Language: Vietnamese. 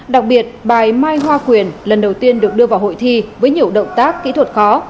đặc biệt bài mai hoa quyền lần đầu tiên được đưa vào hội thi với nhiều động tác kỹ thuật khó